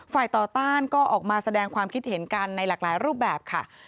ฝ่ายต่อต้านก็ออกมาแสดงความคิดเห็นกันในหลากหลายรูปแบบค่ะ